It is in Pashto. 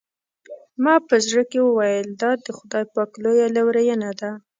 ما په زړه کې وویل دا د خدای پاک لویه لورېینه ده.